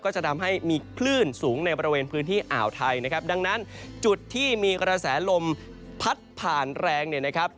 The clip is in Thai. จะทำให้มีคลื่นสูงในบริเวณพื้นที่อ่าวไทยนะครับดังนั้นจุดที่มีกระแสลมพัดผ่านแรงเนี่ยนะครับ